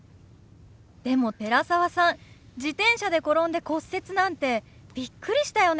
でも寺澤さん自転車で転んで骨折なんてビックリしたよね。